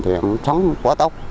thì sống quá tốt